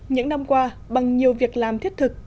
những năm qua bằng nhiều việc làm thiết thực